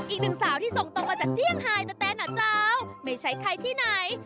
อีกหนึ่งสาวที่ส่งตรงมาจากเจียงไฮเตอร์แต๊นะเจ้าไม่ใช่ใครที่ไหน